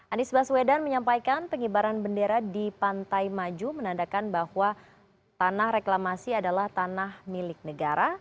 anies baswedan menyampaikan pengibaran bendera di pantai maju menandakan bahwa tanah reklamasi adalah tanah milik negara